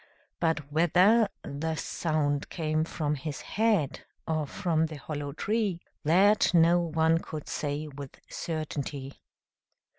But whether the sound came from his head or from the hollow tree, that no one could say with certainty.